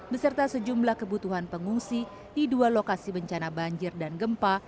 beserta sejumlah kebutuhan pengungsi di dua lokasi bencana banjir dan gempa